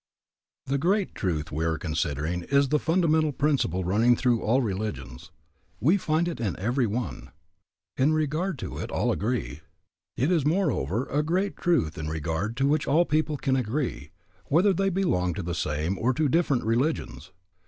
The great truth we are considering is the fundamental principle running through all religions. We find it in every one. In regard to it all agree. It is, moreover, a great truth in regard to which all people can agree, whether they belong to the same or to different religions.